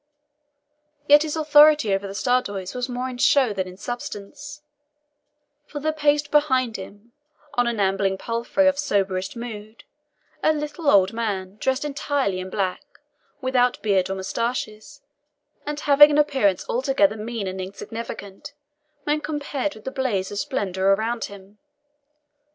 Yet his authority over the Stradiots was more in show than in substance; for there paced beside him, on an ambling palfrey of soberest mood, a little old man, dressed entirely in black, without beard or moustaches, and having an appearance altogether mean and insignificant when compared with the blaze of splendour around him.